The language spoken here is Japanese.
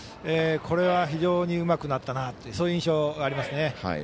これは、非常にうまくなったなという印象がありますね。